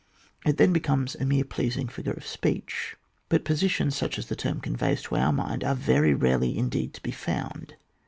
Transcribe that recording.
It then becomes a mere pleasing figure of speech. But positions such as the term conveys to our mind are very rarely indeed to be found.